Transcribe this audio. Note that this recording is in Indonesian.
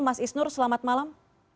mas isnur selamat malam